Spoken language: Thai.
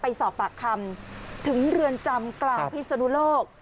ไปสอบปากคำถึงเรือนจำกลางพิศนุโลก